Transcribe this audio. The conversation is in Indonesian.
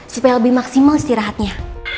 supaya lebih maksimal istirahatnya